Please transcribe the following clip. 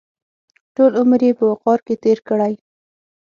ټول عمر یې په وقار کې تېر کړی.